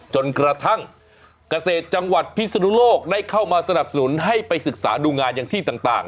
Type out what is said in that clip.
จนกระทั่งเกษตรจังหวัดพิศนุโลกได้เข้ามาสนับสนุนให้ไปศึกษาดูงานอย่างที่ต่าง